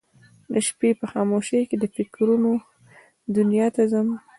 د شپې په خاموشۍ کې د فکرونه دنیا ته ځم